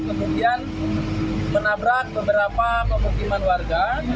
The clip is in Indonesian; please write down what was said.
kemudian menabrak beberapa pemukiman warga